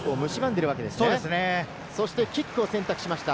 キックを選択しました。